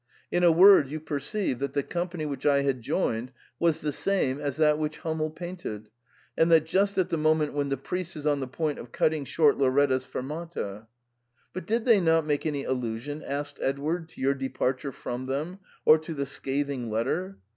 In a word, you perceive that the company which I had joined was the same as that which Hummel painted, and that just at the moment when the priest is on the point of cutting short Lauretta's fermata'^ " But did they not make any allusion," asked Edward, " to your departure from them, or to the scathing letter